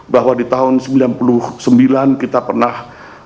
bahwa di tahun seribu sembilan ratus sembilan puluh sembilan kita pernah